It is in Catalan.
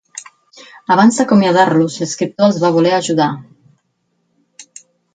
Abans d'acomiadar-los, l'escriptor els va voler ajudar.